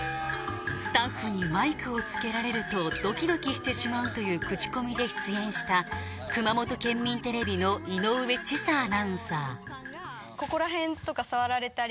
スタッフにマイクをつけられるとドキドキしてしまうというクチコミで出演したくまもと県民テレビの井上千沙アナウンサーここらへんとか触られたり。